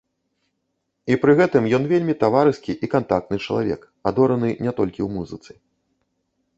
І пры гэтым ён вельмі таварыскі і кантактны чалавек, адораны не толькі ў музыцы.